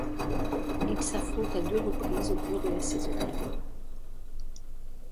Ils s'affrontent à deux reprises au cours de la saison.